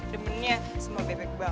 demennya semua bebek bawang